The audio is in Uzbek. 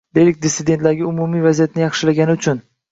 Deylik, “dissidentga” umumiy vaziyatni yaxshilagani uchun